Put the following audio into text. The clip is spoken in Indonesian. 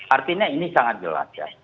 artinya ini sangat jelas ya